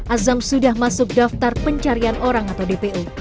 azam sudah masuk daftar pencarian orang atau dpo